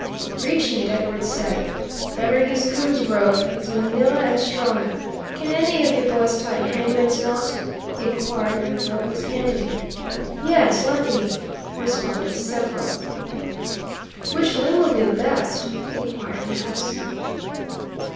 Reaching it, Edwards said, "Better use Coon's rope; it's manilla and stronger. Can any of you boys tie a hangman's knot?" he inquired when the rope was handed him. "Yes, let me," responded several. "Which limb will be best?" inquired Mouse.